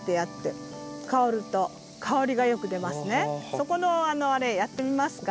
そこのあのあれやってみますか？